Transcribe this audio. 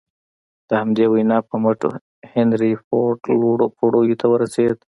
د همدې وينا پر مټ هنري فورډ لوړو پوړيو ته ورسېد.